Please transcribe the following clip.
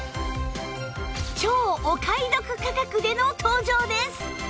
超お買い得価格での登場です！